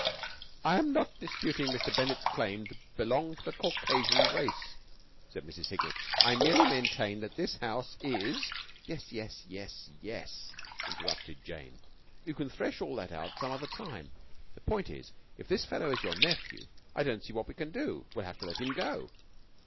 "I am not disputing Mr. Bennett's claim to belong to the Caucasian race," said Mrs. Hignett, "I merely maintain that this house is...." "Yes, yes, yes, yes!" interrupted Jane. "You can thresh all that out some other time. The point is, if this fellow is your nephew, I don't see what we can do. We'll have to let him go."